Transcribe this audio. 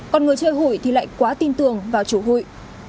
còn người chơi hụi thì lại quá tin tưởng vào chủ hụi